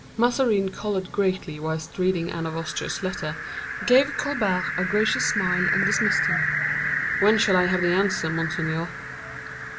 Mazarin colored greatly whilst reading Anne of Austria's letter, gave Colbert a gracious smile and dismissed him. "When shall I have the answer, monseigneur?"